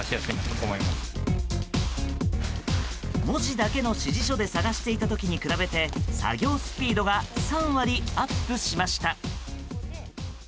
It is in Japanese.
文字だけの指示書で探していた時に比べて作業スピードが３割アップしました。